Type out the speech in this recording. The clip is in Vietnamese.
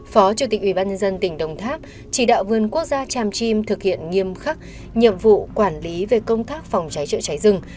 phó chủ tịch ubnd tỉnh đồng tháp chỉ đạo vườn quốc gia tràm chim thực hiện nghiêm khắc nhiệm vụ quản lý về công tác phòng cháy chữa cháy rừng